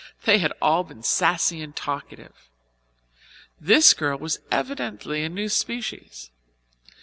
They had all been saucy and talkative. This girl was evidently a new species.